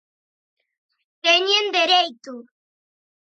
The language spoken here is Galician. ¡Teñen dereito!